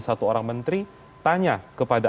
satu orang menteri tanya kepada